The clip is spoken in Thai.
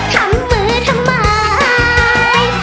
ทำมือทำไม